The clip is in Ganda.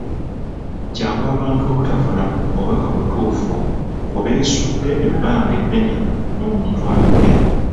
Kyangu abantu obutafuna bubaka butuufu ku beesudde ebbanga eddene n’omuntu ayogera.